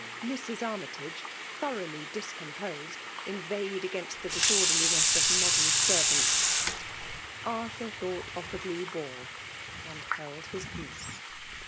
Mrs. Annytage, thoroughly discom posed, inveighed against the disorderliness of modem servants. Arthur thought of the Blue Boar, and held his peace.